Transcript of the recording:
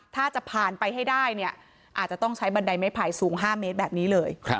ถ้าจะผ่านไปให้ได้เนี่ยอาจจะต้องใช้บันไดไม้ไผ่สูง๕เมตรแบบนี้เลย